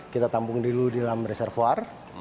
kita tampung dulu di dalam reservoir